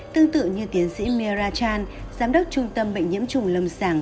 tương tự như tiến sĩ mira chan giám đốc trung tâm bệnh nhiễm trùng lâm sàng